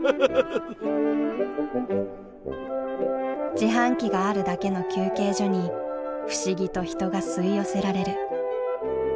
自販機があるだけの休憩所に不思議と人が吸い寄せられる。